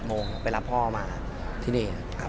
โมงไปรับพ่อมาที่นี่ครับ